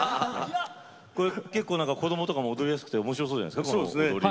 これ結構子どもとかも踊りやすくておもしろそうじゃないですかこの踊り。